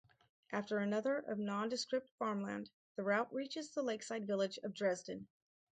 After another of nondescript farmland, the route reaches the lakeside village of Dresden.